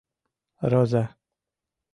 — Роза...